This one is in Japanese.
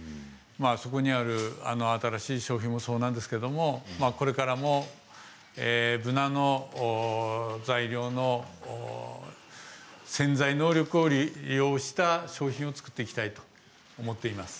そこにある新しい商品もそうなんですけれどこれからもブナの材料の潜在能力を利用した商品を作っていきたいと思っています。